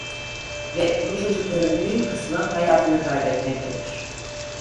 Ve bu çocukların büyük kısmı hayatını kaybetmektedir.